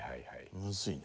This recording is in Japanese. むずいね。